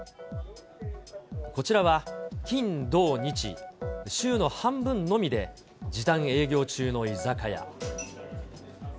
こちらは、金土日、週の半分のみで時短営業中の居酒屋。